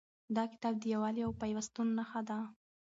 دا کتاب د یووالي او پیوستون نښه ده.